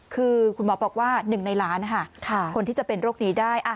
คือคุณหมอบอกว่า๑ในล้านคนที่จะเป็นโรคนี้ได้